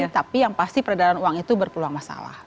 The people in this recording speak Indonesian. tapi yang pasti peredaran uang itu berpeluang masalah